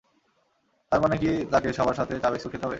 তার মানে কি তাকে সবার সাথে চা-বিস্কুট খেতে হবে?